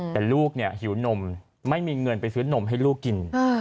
แต่ลูกหิวนมไม่มีเงินไปซื้อนมให้ลูกกิน